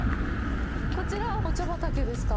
こちら、お茶畑ですか。